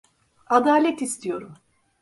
Adalet istiyorum.